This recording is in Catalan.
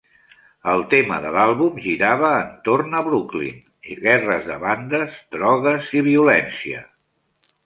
El tema de l'àlbum girava entorn a Brooklyn, guerres de bandes, drogues i violència.